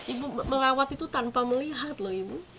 ibu merawat itu tanpa melihat loh ibu